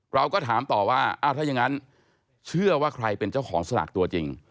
เราก็ถามต่อว่าอ้าวถ้ายังงั้นเชื่อว่าใครเป็นเจ้าของสลากตัวจริง